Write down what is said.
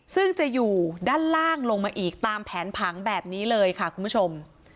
ซึ่งจะอยู่ด้านล่างลงมาอีกตามแผนผังแบบนี้เลยค่ะคุณผู้ชม